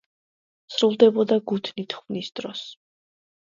სრულდებოდა გუთნით ხვნის დროს.